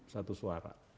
sepuluh satu suara